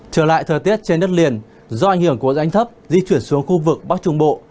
trở lại thời tiết trên đất liền do ảnh hưởng của áp thấp nhật đới di chuyển xuống khu vực bắc trung bộ